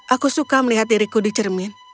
aku suka melihat diriku dicermin